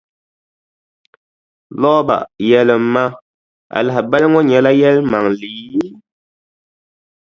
Louba yɛlimi ma, a lahabali ŋɔ nyɛla yɛlimaŋli?